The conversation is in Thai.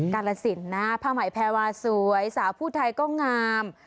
กาลสินนะผ้าไหมแพรวาสวยสาวผู้ไทยก็งาม